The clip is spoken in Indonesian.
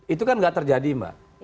itu kan nggak terjadi mbak